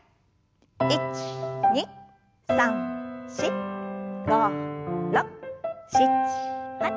１２３４５６７８。